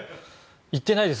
行っていないです